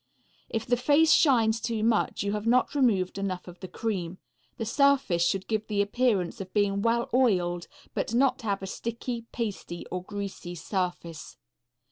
If the face shines too much, you have not removed enough of the cream. The surface should give the appearance of being well oiled, but not have a sticky, pasty or greasy surface.